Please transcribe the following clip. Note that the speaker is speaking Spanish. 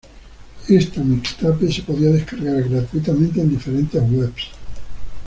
Ésta mixtape se podía descargar gratuitamente en diferentes webs.